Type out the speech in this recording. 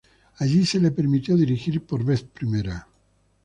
Allí se le permitió dirigir por vez primera.